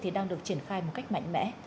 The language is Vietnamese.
thì đang được triển khai một cách mạnh mẽ